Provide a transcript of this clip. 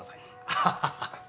アハハハ。